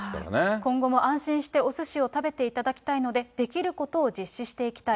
今後も安心しておすしを食べていただきたいので、できることを実施していきたい。